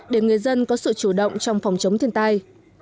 để người dân có sự chủ động trong phòng chống thiên tai